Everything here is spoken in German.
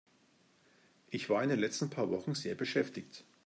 Ich war in den letzten paar Wochen sehr beschäftigt.